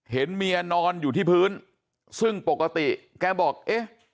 เห็นเมียนอนอยู่ที่พื้นซึ่งปกติแกบอกเอ๊ะ